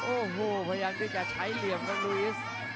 โอ้โหพยายามไม่จะใช้เหลี่ยมนะลุยีส